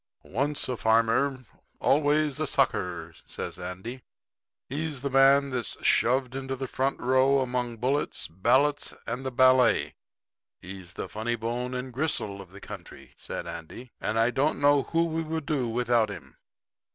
'Once a farmer, always a sucker,' said Andy. 'He's the man that's shoved into the front row among bullets, ballots and the ballet. He's the funny bone and gristle of the country,' said Andy, 'and I don't know who we would do without him.'